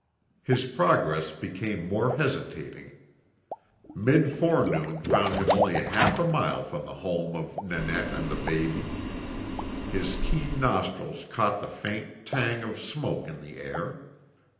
His progress became more hesitating. Mid forenoon found him only half a mile from the home of Nanette and the baby. His keen nostrils caught the faint tang of smoke in the air.